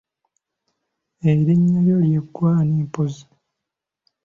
Erinnya lyo ye ggwe ani mpozzi?